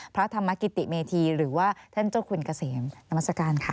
พระธรรมกิตติเมธีหรือว่าแท่นเจ้าคุณกะเสมน้ำสการค่ะ